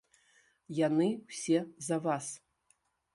Яны ўсе за вас.